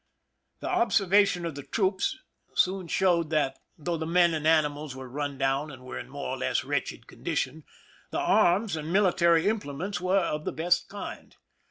The observation of the troops soon showed that, though the men. and animals were run down and were in more or less wretched condition, the arms and military implements were of the best kind.